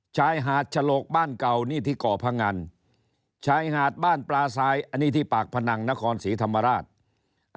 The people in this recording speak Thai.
ชายหาดฉลกบ้านเก่านี่ที่ก่อพงันชายหาดบ้านปลาทรายอันนี้ที่ปากพนังนครศรีธรรมราช